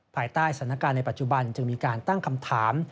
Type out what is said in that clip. ภายใต้สถานการณ์ในปัจจุบันจึงมีการตั้งคำถาม